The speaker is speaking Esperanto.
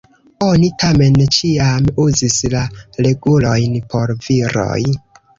Oni tamen ĉiam uzis la regulojn por viroj.